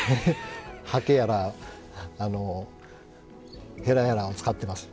ハケやらヘラやらを使ってます。